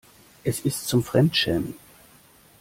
Es ist zum Fremdschämen.